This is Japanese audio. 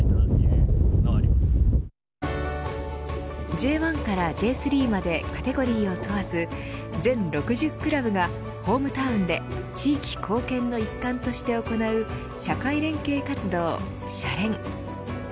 Ｊ１からＪ３までカテゴリーを問わず全６０クラブがホームタウンで地域貢献の一環として行う社会連携活動シャレン。